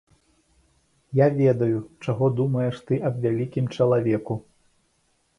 Я ведаю, чаго думаеш ты аб вялікім чалавеку.